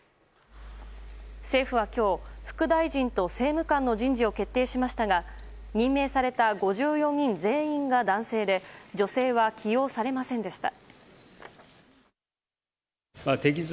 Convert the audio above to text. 政府は今日、副大臣と政務官の人事を決定しましたが任命された５４人全員が男性で女性は起用されませんでした。